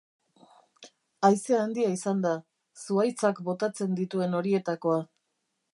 Haize handia izan da, zuhaitzak botatzen dituen horietakoa.